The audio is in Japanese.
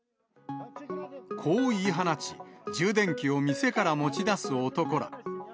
こう言い放ち、充電器を店から持ち出す男ら。